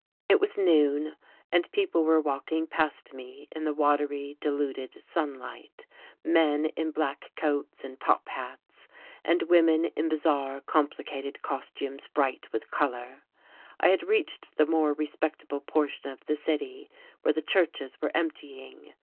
It was noon, and people were walking past me in the watery, diluted sunlight, men in black coats and top hats and women in bizarre, complicated costumes bright with colour. I had reached the more respectable portion of the city, where the churches were emptying.